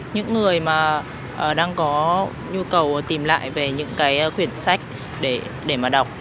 những người mà đang có nhu cầu tìm lại về những cái quyển sách để mà đọc